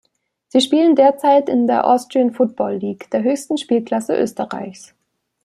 Sie spielen derzeit in der Austrian Football League, der höchsten Spielklasse Österreichs.